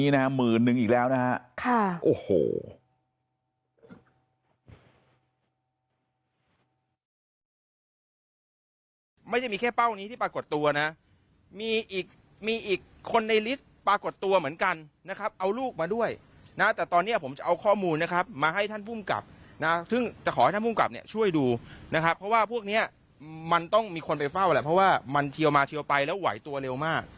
หนึ่งนะค่ะหัวนี้นะเฆ่าหมื่นหนึ่งอีกแล้วค่ะโอ้โห